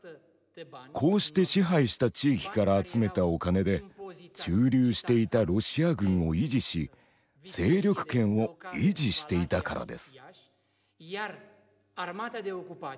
こうして支配した地域から集めたお金で駐留していたロシア軍を維持し勢力圏を維持していたからです。